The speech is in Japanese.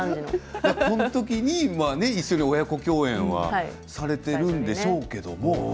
この時には一緒に親子共演されているんでしょうけども。